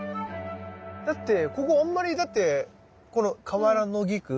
だってここあんまりだってこのカワラノギク？